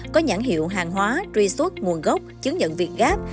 có nhãn hiệu hàng hóa truy xuất nguồn gốc chứng nhận việc gáp